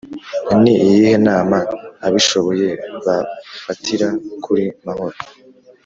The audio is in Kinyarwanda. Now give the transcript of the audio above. ni iyihe nama abishoboye bafatira kuri mahoro’